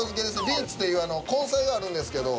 ビーツっていう根菜があるんですけど。